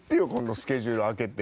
スケジュール空けて。